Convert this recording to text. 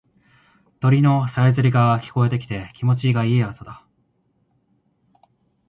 鳥のさえずりが聞こえてきて気持ちいい朝だ。